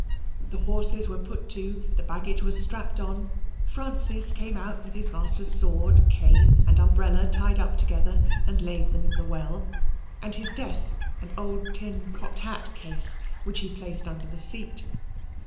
The horses were put to. The baggage was strapped on. Francis came out with his master's sword, cane, and umbrella tied up together, and laid them in the well, and his desk and old tin cocked hat case, which he placed under the seat.